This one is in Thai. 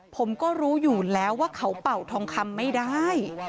ผมก็รู้อยู่แล้วว่าเขาเป่าทองคำไม่ได้